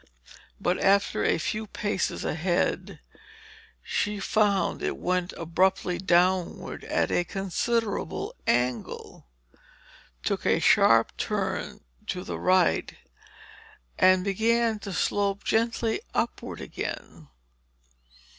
But after a few paces ahead, she found it went abruptly downward at a considerable angle, took a sharp turn to the right, then began to slope gently upward again.